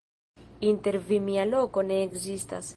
Inter vi mia loko ne ekzistas.